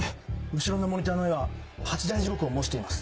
後ろのモニターの絵は「八大地獄」を模しています。